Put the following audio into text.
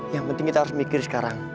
yang penting kita harus mikir sekarang